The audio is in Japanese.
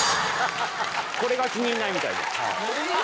これが気に入らないみたいで。